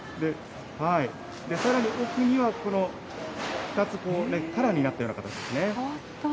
さらに奥には、この２つこう、カラーになったような形ですね。